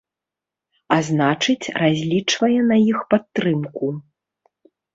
А значыць, разлічвае на іх падтрымку.